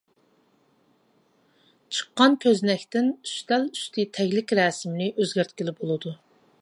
چىققان كۆزنەكتىن ئۈستەلئۈستى تەگلىك رەسىمىنى ئۆزگەرتكىلى بولىدۇ.